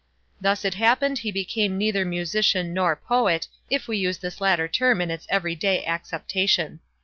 Thus it happened he became neither musician nor poet—if we use this latter term in its every day acceptation.